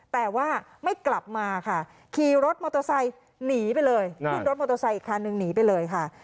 แต่ว่าไม่กลับมาค่ะขี่รถมอเตอร์ไซค์หนีไปเลยขึ้นรถมอเตอร์ไซค์อีกคันนึงหนีไปเลยค่ะ